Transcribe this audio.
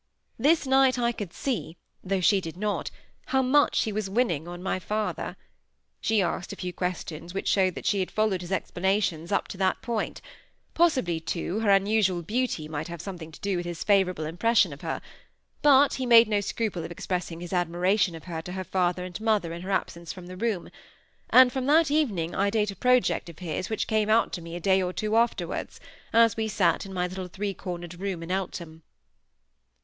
This night I could see, though she did not, how much she was winning on my father. She asked a few questions which showed that she had followed his explanations up to that point; possibly, too, her unusual beauty might have something to do with his favourable impression of her; but he made no scruple of expressing his admiration of her to her father and mother in her absence from the room; and from that evening I date a project of his which came out to me a day or two afterwards, as we sate in my little three cornered room in Eltham.